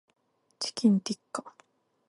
チキンティッカ